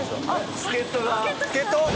助っ人だ。